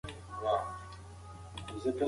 خیر محمد ته د سړک خاموشي ډېره وېروونکې وه.